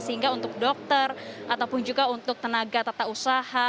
sehingga untuk dokter ataupun juga untuk tenaga tata usaha